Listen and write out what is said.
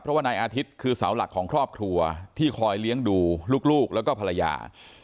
เพราะว่านายอาทิตย์คือเสาหลักของครอบครัวที่คอยเลี้ยงดูลูกแล้วก็ภรรยา